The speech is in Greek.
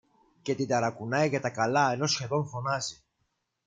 και την ταρακουνάει για τα καλά ενώ σχεδόν φωνάζει